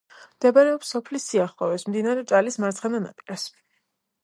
მდებარეობს სოფლის სიახლოვეს, მდინარე ჭალის მარცხენა ნაპირას.